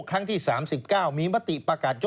ครั้งที่๓๙มีมติประกาศ